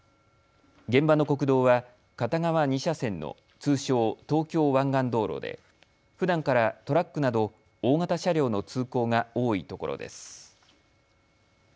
現場の国道は片側２車線の通称、東京湾岸道路でふだんからトラックなど大型車両の通行が多いところです。